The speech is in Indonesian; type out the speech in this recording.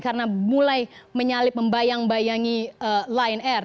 karena mulai menyalip membayang bayangi lion air